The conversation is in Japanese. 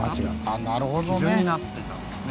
なるほどね！